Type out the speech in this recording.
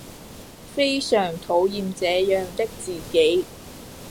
非常討厭這樣的自己